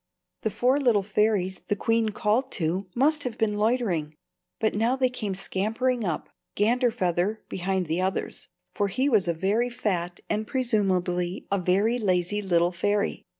The four little fairies the queen called to must have been loitering. But now they came scampering up, Ganderfeather behind the others, for he was a very fat and presumably a very lazy little fairy.